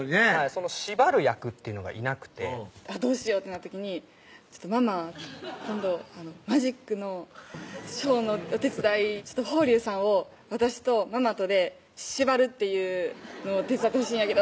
その縛る役っていうのがいなくてあっどうしようってなった時に「ママ今度マジックのショーのお手伝い」「峰龍さんを私とママとで縛るっていうのを手伝ってほしいんやけど」